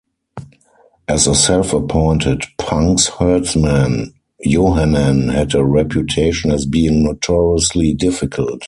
As a self-appointed "punks' herdsman", Yohannan had a reputation as being notoriously difficult.